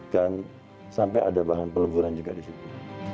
dan sampai ada bahan peleburan juga di situ